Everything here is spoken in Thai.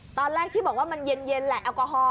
ตอนแรกที่บอกว่ามันเย็นแหละแอลกอฮอล